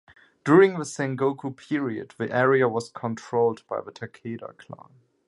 During the Sengoku period, the area was controlled by the Takeda clan.